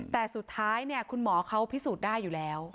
แต่สุดท้ายคุณหมอเขาพิสูจน์ได้อยู่แล้ว